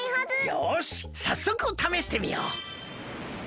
よしさっそくためしてみよう！